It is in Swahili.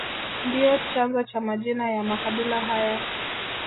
Ndio chanzo cha majina ya makabila haya